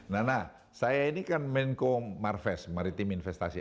nah nah saya ini kan menko marves maritim investasi